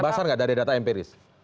masa nggak ada data empiris